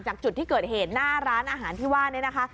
จุดที่เกิดเหตุหน้าร้านอาหารที่ว่านี่นะคะ